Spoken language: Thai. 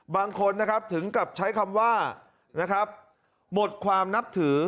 บางคนนะครับถึงกับใช้คำว่านะครับหมดความนับถือ